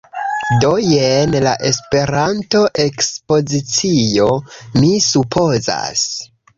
Do, jen la Esperanto-ekspozicio, mi supozas